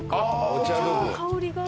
お茶の香りが。